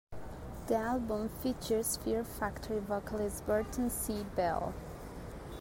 The album features Fear Factory vocalist Burton C. Bell.